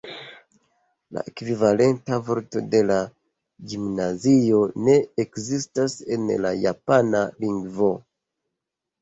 La ekvivalenta vorto de "gimnazio" ne ekzistas en la Japana lingvo.